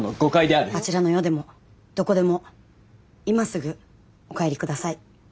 あちらの世でもどこでも今すぐお帰り下さい。